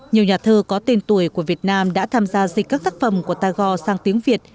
nhiều nhà thơ có tên tuổi của việt nam đã tham gia dịch các tác phẩm của tagore sang tiếng việt